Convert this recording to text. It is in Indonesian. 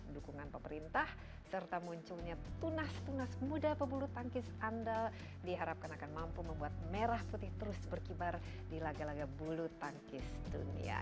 dukungan pemerintah serta munculnya tunas tunas muda pebulu tangkis andal diharapkan akan mampu membuat merah putih terus berkibar di laga laga bulu tangkis dunia